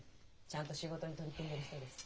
ちゃんと仕事に取り組んでる人です。